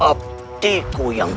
kepada kusti prabu amok marugul